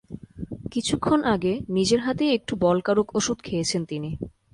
কিছুক্ষণ আগে নিজের হাতেই একটু বলকারক ওষুধ খেয়েছেন তিনি।